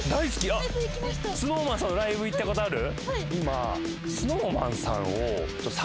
あっＳｎｏｗＭａｎさんのライブ行ったことある？